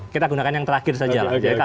kita gunakan yang terakhir saja lah